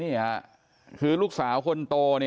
เนี่ยคือลูกสาวคนโต